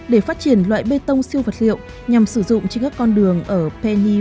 để phát triển loại bê tông siêu vật liệu nhằm sử dụng trên các con đường ở pennyun